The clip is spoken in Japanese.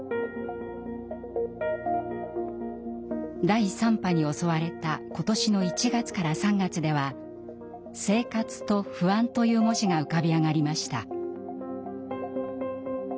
第３波に襲われた今年の１月から３月では「生活」と「不安」という文字が浮かび上がりました。